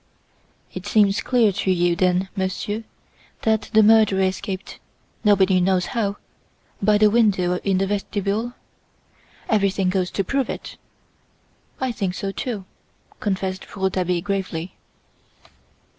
"It seems clear to you, then, Monsieur, that the murderer escaped nobody knows how by the window in the vestibule?" "Everything goes to prove it." "I think so, too," confessed Rouletabille gravely.